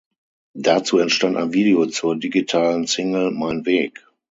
Dazu entstand ein Video zur digitalen Single "Mein Weg".